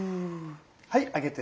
はい上げて。